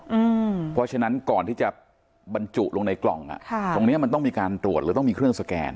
เพราะฉะนั้นก่อนที่จะบรรจุลงในกล่องอ่ะค่ะตรงเนี้ยมันต้องมีการตรวจหรือต้องมีเครื่องสแกน